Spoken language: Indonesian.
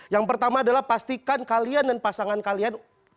yang pertama adalah pastikan kalian dan pasangan kalian